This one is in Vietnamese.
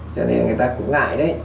cho nên là người ta cũng ngại đấy